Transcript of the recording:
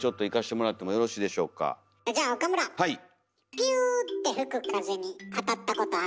ピューッて吹く風にあたったことある？